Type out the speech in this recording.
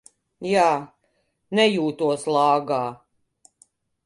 Jā, nejūtos lāgā.